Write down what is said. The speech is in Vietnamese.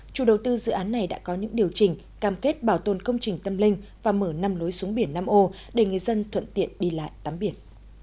chủ đầu tư dự án này đã có những điều chỉnh cam kết bảo tồn công trình tâm linh và mở năm lối xuống biển nam âu để người dân thuận tiện đi lại tắm biển